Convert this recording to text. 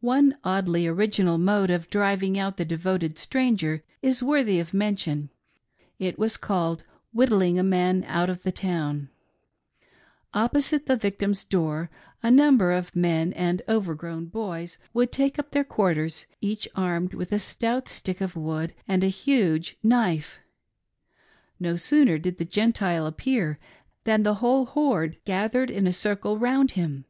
One oddly original mode of driving out the devoted stranger is worthy of mention — it was called " whittling a man out of the town !" Oppo site the victim's door a number of men and overgrown boys would take up their quarters — each armed with a stout stick of wood and a huge knife. No sooner did the Gentile appear than the whole horde gathered in a circle round him.